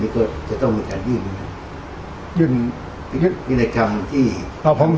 นี่ก็จะต้องมีแผนยื่นยื่นพินัยกรรมที่